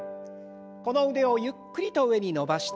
この腕をゆっくりと上に伸ばして。